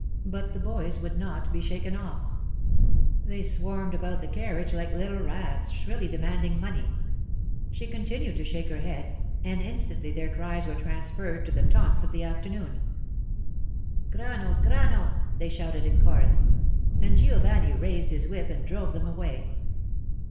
But the boys would not be shaken off; they swarmed about the carriage like little rats, shrilly demanding money. She continued to shake her head, and instantly their cries were transferred to the taunts of the afternoon. 'Grano! Grano!' they shouted in chorus; and Giovanni raised his whip and drove them away.